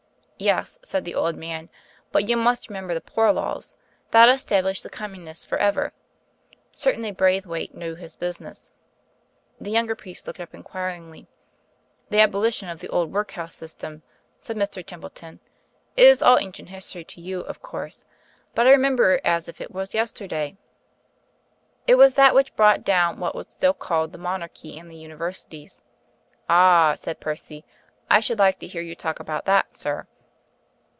"Yes," said the old man, "but you must remember the Poor Laws. That established the Communists for ever. Certainly Braithwaite knew his business." The younger priest looked up inquiringly. "The abolition of the old workhouse system," said Mr. Templeton. "It is all ancient history to you, of course; but I remember as if it was yesterday. It was that which brought down what was still called the Monarchy and the Universities." "Ah," said Percy. "I should like to hear you talk about that, sir."